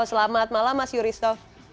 selamat malam mas yuristo